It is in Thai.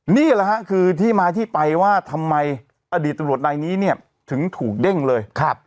นี่แหละฮะคือที่มาที่ไปว่าทำไมอดีตตำรวจนายนี้เนี่ยถึงถูกเด้งเลย